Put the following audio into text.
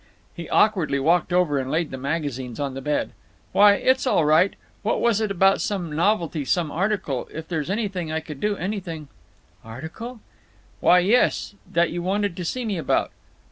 He awkwardly walked over and laid the magazines on the bed. "Why, it's all right…. What was it about some novelty—some article? If there's anything I could do—anything—" "Article?" "Why, yes. That you wanted to see me about."